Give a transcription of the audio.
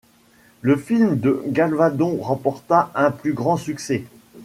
Le film de Gavaldón remporta un plus grand succès.